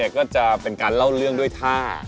ก็จะเป็นการเล่าเรื่องด้วยท่า